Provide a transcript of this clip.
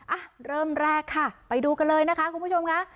อ่ะเริ่มแรกค่ะไปดูกันเลยนะคะคุณผู้ชมค่ะ